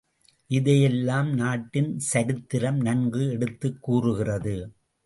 இதையெல்லாம் நாட்டின் சரித்திரம் நன்கு எடுத்துக் கூறுகிறது.